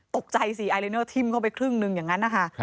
ตกใจสิไอเนอร์ทิ้มเข้าไปครึ่งหนึ่งอย่างนั้นนะคะ